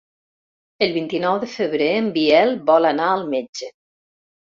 El vint-i-nou de febrer en Biel vol anar al metge.